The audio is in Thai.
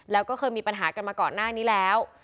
แล้วก็เคยมีปัญหากันมาก่อนหน้านี้แล้ว